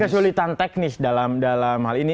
kesulitan teknis dalam hal ini